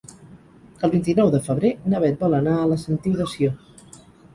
El vint-i-nou de febrer na Bet vol anar a la Sentiu de Sió.